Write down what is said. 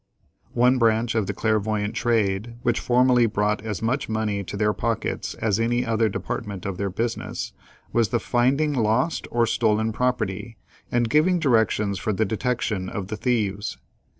One branch of the clairvoyant trade which formerly brought as much money to their pockets as any other department of their business, was the finding lost or stolen property, and giving directions for the detection of the thieves.